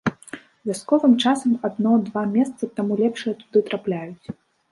Вясковым часам адно-два месца, таму лепшыя туды трапляюць.